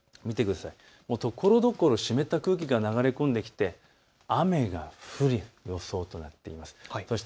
ところどころ湿った空気が流れ込んできて雨が降る予想となっています。